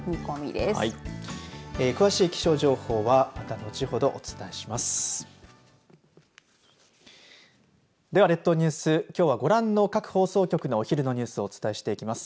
では、列島ニュースきょうはご覧の各放送局のお昼のニュースをお伝えしていきます。